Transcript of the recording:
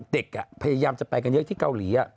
เด็กพยายามจะไปกันเยอะที่เกาหลี